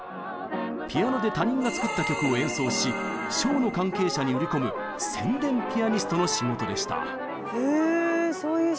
ピアノで他人が作った曲を演奏しショーの関係者に売り込む宣伝ピアニストの仕事でした。